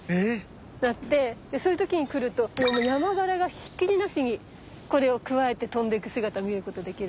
でそういう時に来るとヤマガラがひっきりなしにこれをくわえて飛んでく姿見ることできる。